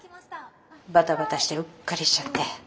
バタバタしてうっかりしちゃって。